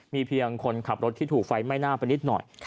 มีเพียงคนขับรถที่ถูกไฟไหม้หน้าไปนิดหน่อย